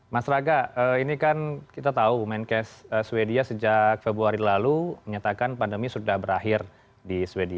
mas raga ini kan kita tahu menkes sweden sejak februari lalu menyatakan pandemi sudah berakhir di sweden